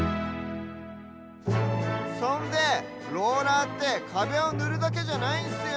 そんでローラーってかべをぬるだけじゃないんすよ！